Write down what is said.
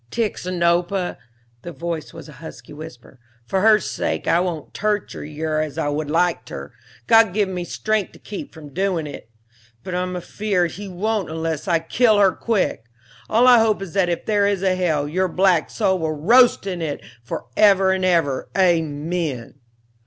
"Tixinopa," the voice was a husky whisper, "for her sake I won't torture yer as I would like ter, God give me strength to keep from doin' it! but I'm afeared He won't unless I kill yer quick. All I hope is that if there is a hell, your black soul will roast in it for ever and ever, amen!"